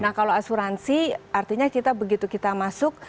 nah kalau asuransi artinya kita begitu kita masuk